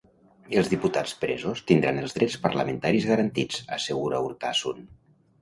Els diputats presos tindran els drets parlamentaris garantits, assegura Urtasun.